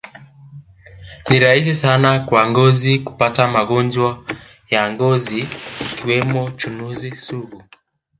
Ni rahisi sana kwa ngozi kupata magonjwa ya ngozi ikiwemo chunusi sugu